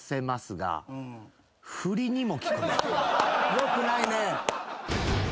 よくないね。